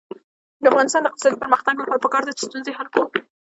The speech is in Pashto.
د افغانستان د اقتصادي پرمختګ لپاره پکار ده چې ستونزه حل کړو.